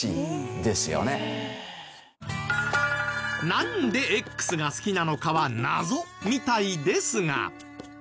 なんで「Ｘ」が好きなのかは謎みたいですが。